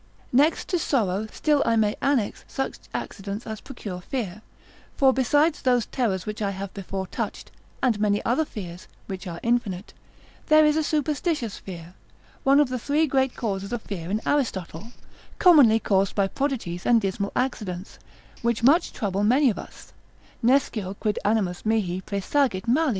Next to sorrow still I may annex such accidents as procure fear; for besides those terrors which I have before touched, and many other fears (which are infinite) there is a superstitious fear, one of the three great causes of fear in Aristotle, commonly caused by prodigies and dismal accidents, which much trouble many of us, (Nescio quid animus mihi praesagit mali.)